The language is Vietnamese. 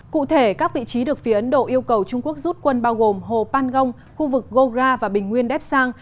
cụ thể các vị trí được phía ấn độ yêu cầu trung quốc rút quân bao gồm hồ pan gong khu vực gora và bình nguyên đép sang